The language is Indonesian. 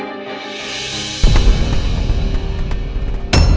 aku juga minta